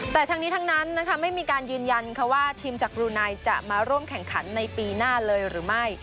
แต่ทั้งนี้ทั้งนั้นไม่มีการยืนยันว่าทีมจากบรูไนจะมาร่วมแข่งขันในปีหน้าเลยหรือไม่